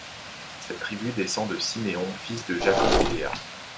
Cette tribu descend de Siméon, fils de Jacob et Léa.